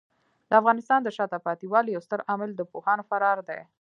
د افغانستان د شاته پاتې والي یو ستر عامل د پوهانو فرار دی.